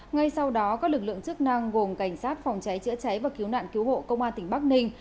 ngay sau đó các lực lượng chức năng gồm cảnh sát phòng cháy chữa cháy và cứu nạn cứu hộ công an tỉnh bắc ninh